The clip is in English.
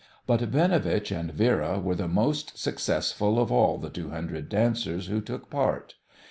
But Binovitch and Vera were the most successful of all the two hundred dancers who took part.